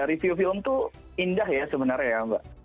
review film itu indah ya sebenarnya ya mbak